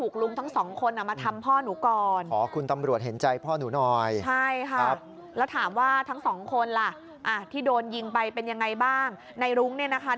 ขอมาถามพ่อหนู